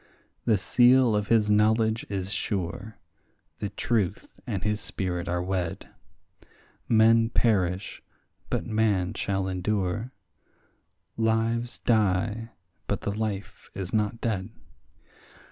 The seal of his knowledge is sure, the truth and his spirit are wed; Men perish, but man shall endure; lives die, but the life is not dead.